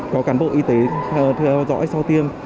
có cán bộ y tế theo dõi sau tiêm